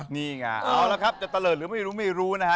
นี่ไงเอาละครับจะเตลิศหรือไม่รู้ไม่รู้นะฮะ